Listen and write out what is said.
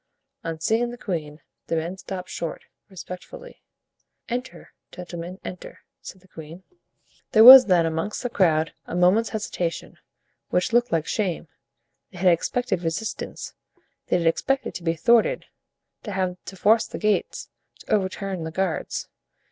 On seeing the queen, the men stopped short, respectfully. "Enter, gentlemen, enter," said the queen. There was then amongst that crowd a moment's hesitation, which looked like shame. They had expected resistance, they had expected to be thwarted, to have to force the gates, to overturn the guards.